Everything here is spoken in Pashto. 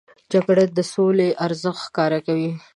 جګړه د سولې ارزښت ښکاره کوي